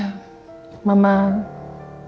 terus mama jawab apa